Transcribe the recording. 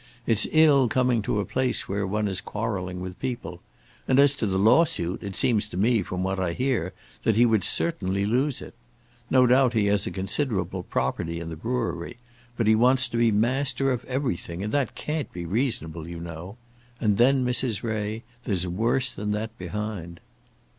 It's ill coming to a place where one is quarrelling with people. And as to the lawsuit, it seems to me, from what I hear, that he would certainly lose it. No doubt he has a considerable property in the brewery; but he wants to be master of everything, and that can't be reasonable, you know. And then, Mrs. Ray, there's worse than that behind."